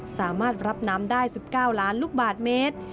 สามารถรับน้ำได้๑๙ล้านลูกบาทเมตร